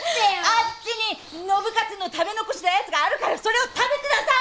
あっちに信勝の食べ残したやつがあるからそれを食べてなさい！